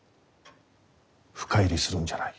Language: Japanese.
深入りするんじゃない。